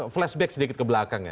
flashback sedikit ke belakang